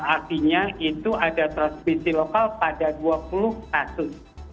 artinya itu ada transmisi lokal pada dua puluh kasus